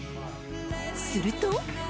［すると］